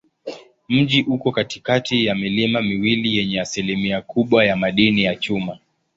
Mji uko katikati ya milima miwili yenye asilimia kubwa ya madini ya chuma.